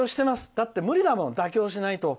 だって無理だもん妥協してないと。